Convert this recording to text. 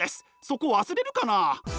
そこ忘れるかな？